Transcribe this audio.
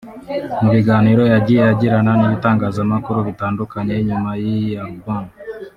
Mu biganiro yagiye agirana n’ibitangazamakuru bitandukanye nyuma y’iyi album